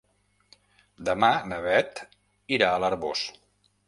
Demà na Beth irà a l'Arboç.